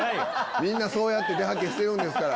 みんなそうやってしてるんですから。